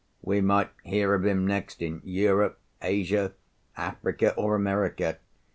We might hear of him next in Europe, Asia, Africa, or America.